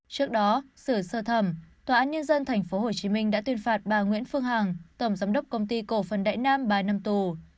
trước đó sửa sơ thẩm tòa án nhân dân tp hcm đã tuyên phạt bà nguyễn phương hằng tổng giám đốc công ty cổ phần đại nam ba năm tù